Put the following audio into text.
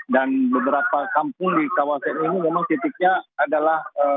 dan beberapa kampung di kawasan ini memang titiknya adalah